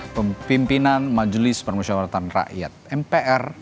pimpinan majulis permusyawaratan rakyat mpr